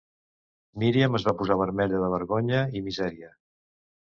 Míriam es va posar vermella de vergonya i misèria.